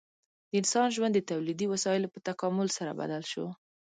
د انسان ژوند د تولیدي وسایلو په تکامل سره بدل شو.